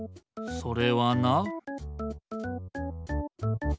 それはな。